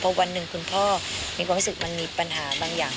พอวันหนึ่งคุณพ่อมีความรู้สึกมันมีปัญหาบางอย่าง